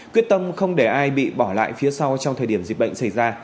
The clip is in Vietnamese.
quyết tâm không để ai bị bỏ lại phía sau trong thời điểm dịch bệnh xảy ra